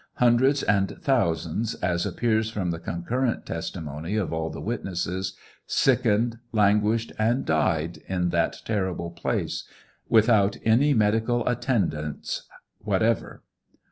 Hundreds and thousands, as appears from the concurrent testimony of all the witnesses, sickened, languished, and died in that terrible place, without any medical attendance whatever.